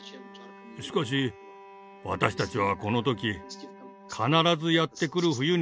しかし私たちはこの時必ずやって来る冬について考えていました。